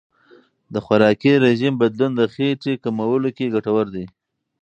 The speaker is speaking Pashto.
د خوراکي رژیم بدلون د خېټې کمولو کې ګټور دی.